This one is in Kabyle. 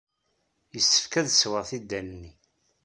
Yessefk ad ssewweɣ tidal-nni.